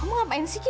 kamu ngapain sih ki